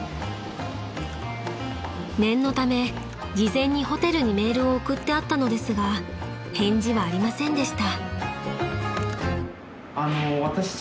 ［念のため事前にホテルにメールを送ってあったのですが返事はありませんでした］